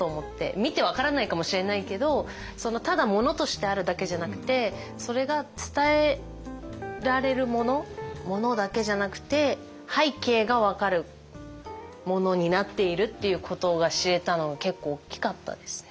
見て分からないかもしれないけどただ物としてあるだけじゃなくてそれが伝えられるもの物だけじゃなくて背景が分かるものになっているっていうことが知れたのは結構大きかったですね。